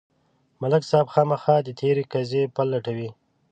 ملک صاحب خامخا د تېرې قضیې پل لټوي.